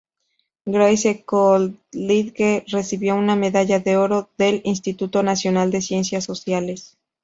Grace Coolidge, recibió una medalla de oro del Instituto Nacional de Ciencias Sociales.